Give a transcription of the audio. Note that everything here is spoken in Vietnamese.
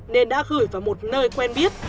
nên đã gửi vào một nơi quen biết